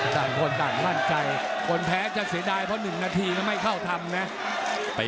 ต่างคนต่างมั่นใจคนแพ้จะเสียดายเพราะ๑นาทีไม่เข้าทำนะ